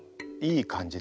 いい感じ。